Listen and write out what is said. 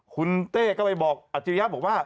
คุณเต้ก็ไปบอกอัจฉริยะบอกว่า